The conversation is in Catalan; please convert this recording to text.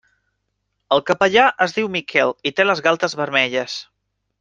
El capellà es diu Miquel i té les galtes vermelles.